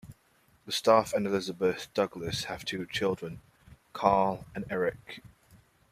Gustaf and Elisabeth Douglas have two children, Carl and Eric.